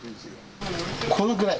このくらい。